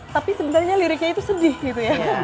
tapi sebenarnya liriknya itu sedih gitu ya